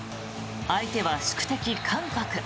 相手は宿敵・韓国。